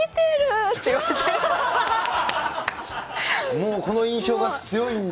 もうこの印象が強いんだ。